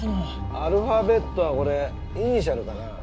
アルファベットはこれイニシャルかな？